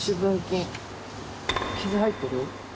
傷入ってる？